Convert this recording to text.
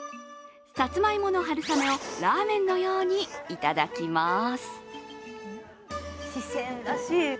さつまいもの春雨をラーメンのようにいただきます。